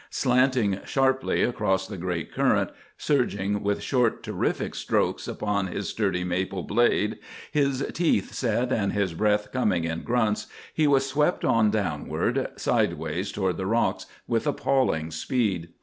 Slanting sharply across the great current, surging with short, terrific strokes upon his sturdy maple blade, his teeth set and his breath coming in grunts, he was swept on downward, sideways toward the rocks, with appalling speed.